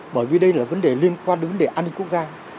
bởi vì đây là vấn đề liên quan đến vấn đề an ninh quốc gia